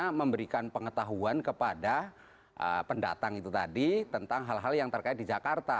karena memberikan pengetahuan kepada pendatang itu tadi tentang hal hal yang terkait di jakarta